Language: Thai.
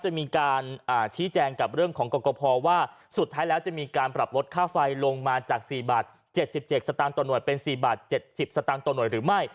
จะมีการชี้แจงกับเรื่องของกรกภว่าสุดท้ายแล้วจะมีการปรับลดค่าไฟลงมาจาก๔บาท๗๗สตางค์ต่อหน่วยเป็น๔บาท๗๐สตางค์ต่อหน่วยหรือไม่